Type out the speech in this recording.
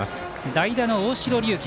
代打の大城龍紀。